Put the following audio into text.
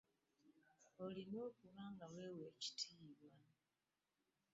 Olina okuba nga weewa ekitiibwa.